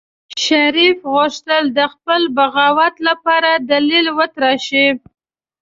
شريف غوښتل د خپل بغاوت لپاره دليل وتراشي.